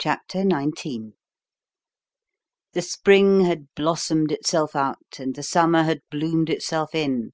CHAPTER XIX The spring had blossomed itself out and the summer had bloomed itself in.